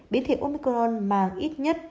biến thể omicron mang ít nhất